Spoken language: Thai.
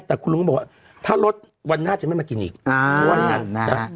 แต่คุณลุงก็บอกว่าถ้าลดวันหน้าจะไม่มากินอีกเพราะว่างั้นนะ